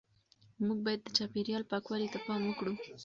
موږ باید د چاپیریال پاکوالي ته پام وکړو.